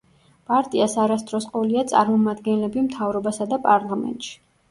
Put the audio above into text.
პარტიას არასდროს ყოლია წარმომადგენლები მთავრობასა და პარლამენტში.